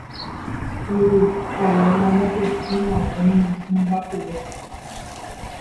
ku abuela oñapytĩhaguémi hymba kure